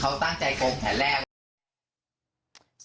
เขาตั้งใจกงแผ่แรก